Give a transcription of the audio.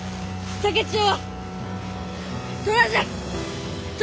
竹千代。